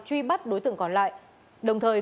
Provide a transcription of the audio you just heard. truy bắt đối tượng còn lại đồng thời